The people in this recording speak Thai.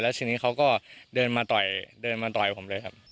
แล้วทีนี้เขาก็เดินมาต่อยผมเลยครับ